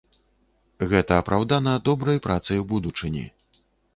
Гэта апраўдана добрай працай у будучыні.